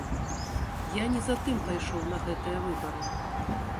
Я не за тым пайшоў на гэтыя выбары.